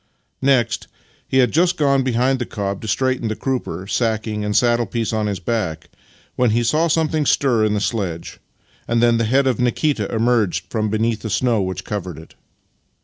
Next, he had just gone behind the cob to straighten the crupper, sacking and saddle piece on his back, when he saw something stir in the sledge, and then the head of Nikita emerge from beneath the snow which covered it.